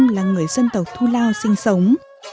ba mươi là người dân tộc thu lào sinh sống